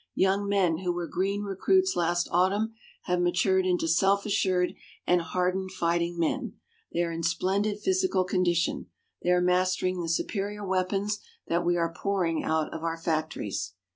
Young men who were green recruits last autumn have matured into self assured and hardened fighting men. They are in splendid physical condition. They are mastering the superior weapons that we are pouring out of our factories.